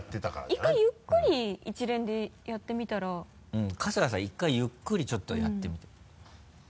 １回ゆっくり一連でやってみたら春日さん１回ゆっくりちょっとやってみて。